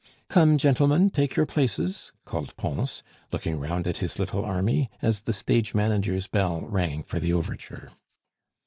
"Come, gentlemen, take your places!" called Pons, looking round at his little army, as the stage manager's bell rang for the overture.